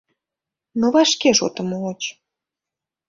Но вашке шотым муыч.